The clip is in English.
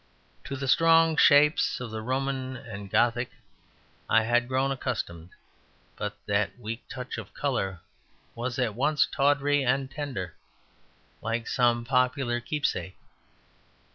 To the strong shapes of the Roman and the Gothic I had grown accustomed; but that weak touch of colour was at once tawdry and tender, like some popular keepsake.